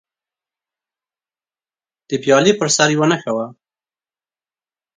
د پیالې پر سر یوه نښه وه.